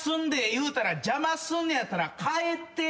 言うたら「邪魔すんねやったら帰って」